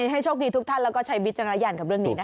ให้โชคดีทุกท่านแล้วก็ใช้วิจารณญาณกับเรื่องนี้นะคะ